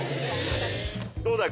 どうだい？